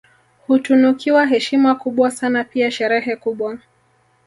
Hutunukiwa heshima kubwa sana pia sherehe kubwa